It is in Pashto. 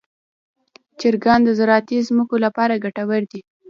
چرګان د زراعتي ځمکو لپاره ګټور دي.